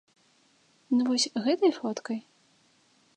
Ну вось гэтай фоткай?